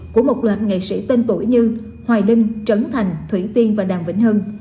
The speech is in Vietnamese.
của một loạt nghệ sĩ tên tuổi như hoài linh trấn thành thủy tiên và đàm vĩnh hưng